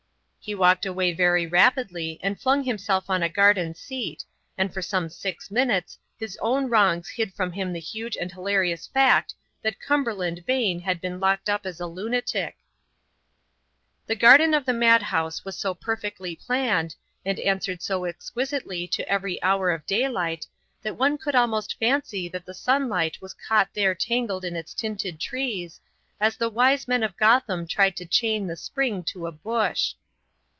He walked away very rapidly and flung himself on a garden seat, and for some six minutes his own wrongs hid from him the huge and hilarious fact that Cumberland Vane had been locked up as a lunatic. The garden of the madhouse was so perfectly planned, and answered so exquisitely to every hour of daylight, that one could almost fancy that the sunlight was caught there tangled in its tinted trees, as the wise men of Gotham tried to chain the spring to a bush.